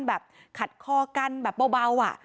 แบบขัดคอกันแบบเบาอ่ะ